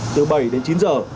từ bảy đến chín giờ